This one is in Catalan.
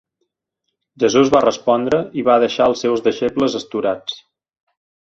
Jesús va respondre i va deixar els seus deixebles astorats.